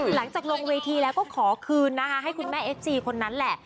หลังจากลงเวทีแล้วก็ขอคืนนะคะให้คุณแม่เอสจีคนนั้นแหละ